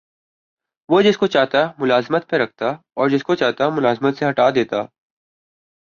وہ جس کو چاہتا ملازمت پر رکھتا اور جس کو چاہتا ملازمت سے ہٹا دیتا